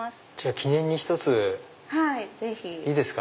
記念に１ついいですか？